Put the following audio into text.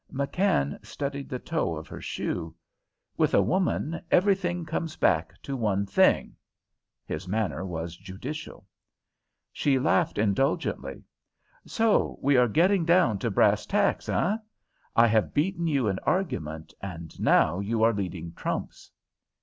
McKann studied the toe of her shoe. "With a woman, everything comes back to one thing." His manner was judicial. She laughed indulgently. "So we are getting down to brass tacks, eh? I have beaten you in argument, and now you are leading trumps."